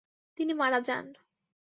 তিনি মারা যান।